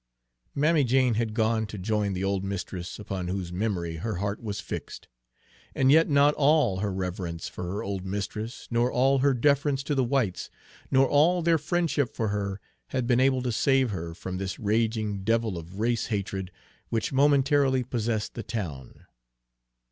Mammy Jane had gone to join the old mistress upon whose memory her heart was fixed; and yet not all her reverence for her old mistress, nor all her deference to the whites, nor all their friendship for her, had been able to save her from this raging devil of race hatred which momentarily possessed the town.